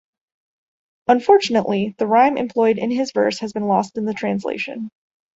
Unfortunately, the rhyme employed in his verse has been lost in the translation.